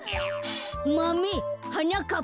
「『マメ』はなかっ